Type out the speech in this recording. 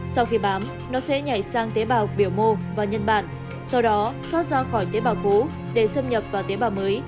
sau khi bám nó sẽ nhảy sang tế bào biểu mô và nhân bản sau đó thoát ra khỏi tế bào cũ để xâm nhập vào tế bào mới